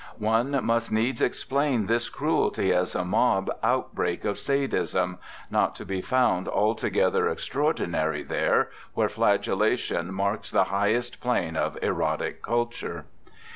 One must needs explain this cruelty as a mob outbreak of Sadism, not to be found altogether extraordinary there, where flagellation marks the high est plane of erotic culture.